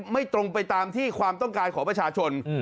ไม่ตรงไปตามที่ความต้องการของประชาชน